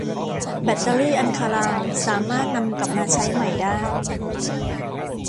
แบตเตอรี่อัลคาไลน์สามารถนำกลับมาใช้ใหม่ได้